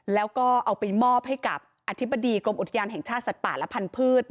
แล้วก็เอาไปมอบให้กับอธิบดีกรมอุทยานแห่งชาติสัตว์ป่าและพันธุ์